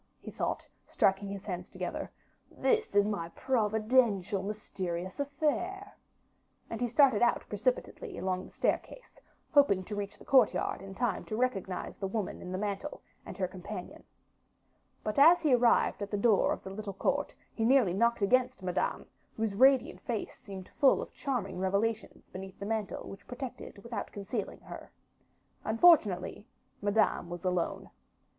he thought, striking his hands together, "this is my providential mysterious affair." And he started out precipitately, along the staircase, hoping to reach the courtyard in time to recognize the woman in the mantle, and her companion. But as he arrived at the door of the little court, he nearly knocked against Madame, whose radiant face seemed full of charming revelations beneath the mantle which protected without concealing her. Unfortunately, Madame was alone.